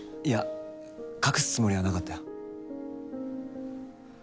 いや隠すつもりはなかったよ。